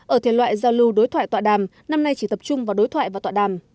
ở thể loại giao lưu đối thoại tọa đàm năm nay chỉ tập trung vào đối thoại và tọa đàm